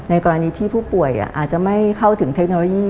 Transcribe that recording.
กรณีที่ผู้ป่วยอาจจะไม่เข้าถึงเทคโนโลยี